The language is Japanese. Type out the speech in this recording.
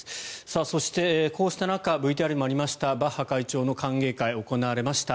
そして、こうした中ＶＴＲにもありましたバッハ会長の歓迎会が行われました。